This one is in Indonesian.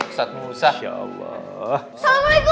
assalamualaikum ustadz musa bang ub